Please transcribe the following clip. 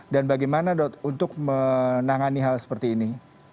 dan bagaimana untuk menangani hal seperti ini